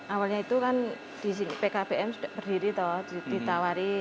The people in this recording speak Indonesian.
awalnya itu kan di pkbm sudah berdiri di tawari